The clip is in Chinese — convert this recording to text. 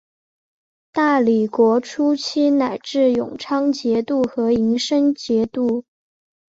大理国初期仍置永昌节度和银生节度。